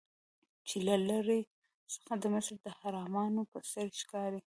چې له لرې څخه د مصر د اهرامونو په څیر ښکاري.